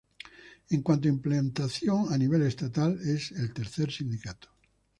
En cuanto a implantación a nivel estatal, es el tercer sindicato.